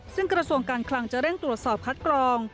ซึ่งกระทรวงการคลังจะเร่งตรวจสอบคัดกรอง